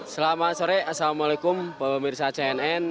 selamat sore assalamualaikum pemirsa cnn